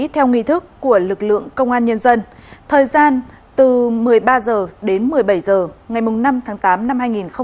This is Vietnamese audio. theo nghi thức của lực lượng công an nhân dân thời gian từ một mươi ba h đến một mươi bảy h ngày năm tháng tám năm hai nghìn hai mươi ba